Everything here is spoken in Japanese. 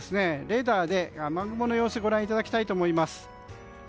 レーダーで雨雲の様子ご覧いただきたいと思います。